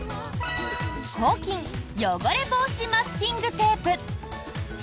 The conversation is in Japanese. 抗菌汚れ防止マスキングテープ。